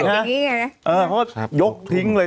เออเขาก็ยกทิ้งเลย